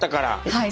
はい。